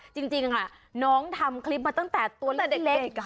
จริงหนองทำคลิปมาตั้งแต่ตัวเล็กอ่ะ